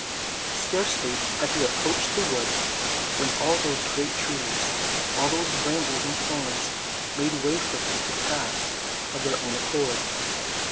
Scarcely had he approached the wood, when all those great trees, all those brambles and thorns made way for him to pass of their own accord.